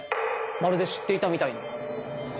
まるで知っていたみたいに。